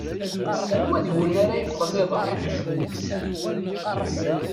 Anwa deg-wen ara yeffɣen iḍ-a ?